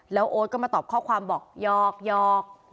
แล้วโอ๊ตก็มาตอบข้อความบอกหยอก